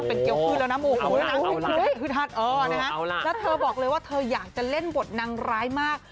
เป็นเกี้ยวขึ้นแล้วนะโมโหนะฮึดฮัดแล้วเธอบอกเลยว่าเธออยากจะเล่นบทนางร้ายมาก